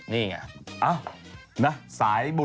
นี่ไงนะสายบุญ